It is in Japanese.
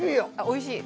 おいしい？